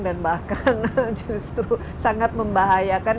dan bahkan justru sangat membahayakan